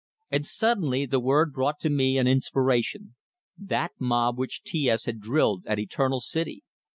And suddenly the word brought to me an inspiration; that mob which T S had drilled at Eternal City!